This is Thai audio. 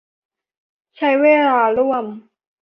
ใช้เวลาร่วม